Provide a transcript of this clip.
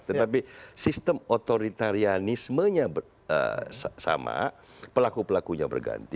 tetapi sistem otoritarianismenya sama pelaku pelakunya berganti